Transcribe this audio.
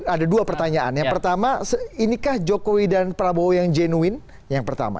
ada dua pertanyaan yang pertama inikah jokowi dan prabowo yang jenuin yang pertama